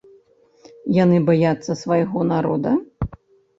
Яны баяцца свайго народа?